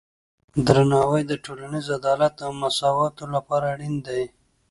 درناوی د ټولنیز عدالت او مساواتو لپاره اړین دی.